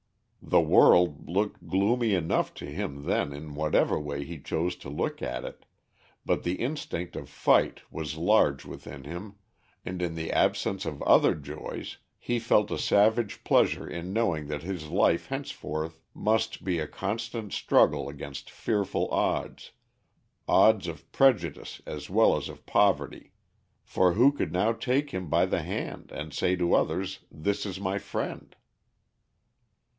The world looked gloomy enough to him then in whatever way he chose to look at it, but the instinct of fight was large within him, and in the absence of other joys he felt a savage pleasure in knowing that his life henceforth must be a constant struggle against fearful odds odds of prejudice as well as of poverty; for who could now take him by the hand and say to others this is my friend?